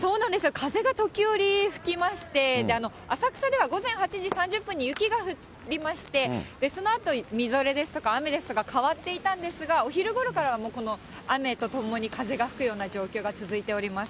風が時折、吹きまして、浅草では午前８時３０分に雪が降りまして、そのあと雨ですとか、変わっていたんですが、お昼ごろからはもう、この雨とともに風が吹くような状況が続いております。